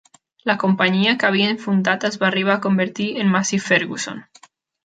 La companyia que havien fundat es va arribar a convertir en Massey Ferguson.